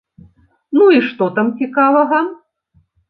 Ну, і што там цікавага?